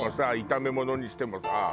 炒め物にしてもさ。